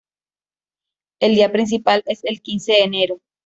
El día principal es el quince de enero.